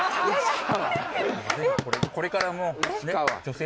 これからの。